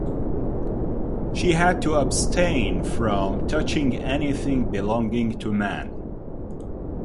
She had to abstain from touching anything belonging to man.